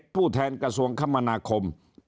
ผู้แทนกระทรวงคมนาคม